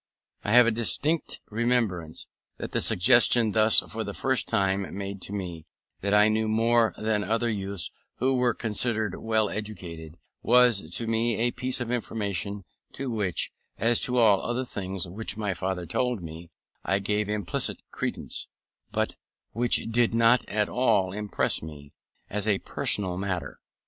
I have a distinct remembrance, that the suggestion thus for the first time made to me, that I knew more than other youths who were considered well educated, was to me a piece of information, to which, as to all other things which my father told me, I gave implicit credence, but which did not at all impress me as a personal matter.